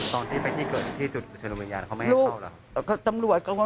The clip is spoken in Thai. ตอนที่ไปที่เกิดที่จุดเชิญวิญญาณเขาไม่ให้เข้าเหรอ